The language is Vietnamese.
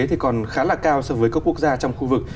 thì còn khá là cao so với các quốc gia trong khu vực